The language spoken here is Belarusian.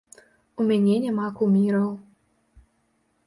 У мяне няма куміраў.